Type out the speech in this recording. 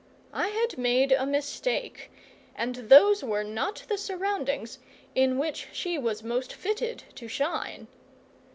I had made a mistake, and those were not the surroundings in which she was most fitted to shine.